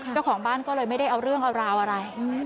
เจ้าของบ้านก็เลยไม่ได้เอาเรื่องเอาราวอะไร